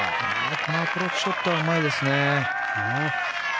このアプローチショットはうまいですね。